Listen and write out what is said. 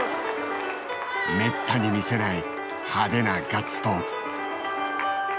めったに見せない派手なガッツポーズ。